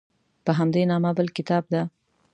په همدې نامه بل کتاب ده.